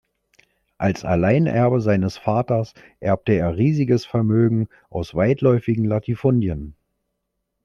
Als Alleinerbe seines Vaters, erbte er riesiges Vermögen aus weitläufigen Latifundien.